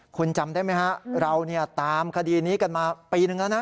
คุณจำได้ไหมฮะเราตามคดีนี้กันมาปีนึงแล้วนะ